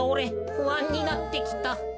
ふあんになってきた。